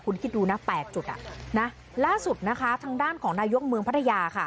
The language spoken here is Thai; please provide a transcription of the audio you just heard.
คุณคิดดูนะ๘จุดอ่ะนะล่าสุดนะคะทางด้านของนายกเมืองพัทยาค่ะ